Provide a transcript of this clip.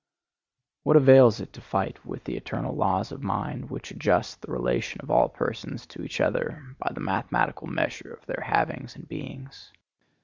What avails it to fight with the eternal laws of mind, which adjust the relation of all persons to each other by the mathematical measure of their havings and beings?